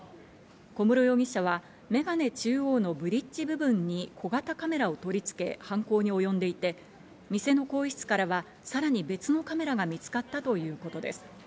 小室容疑者はメガネ中央のブリッジ部分に小型カメラを取り付け犯行に及んでいて、店の更衣室からはさらに別のカメラが見つかったということです。